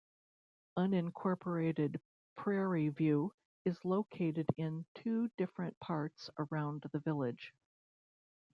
Unincorporated Prairie View is located in two different parts around the village.